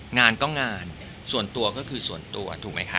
งานก็งานส่วนตัวก็คือส่วนตัวถูกไหมคะ